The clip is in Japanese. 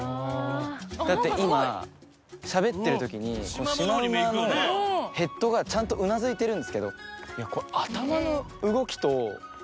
だって今しゃべってる時にシマウマのヘッドがちゃんとうなずいてるんですけど。